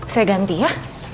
saya ganti ya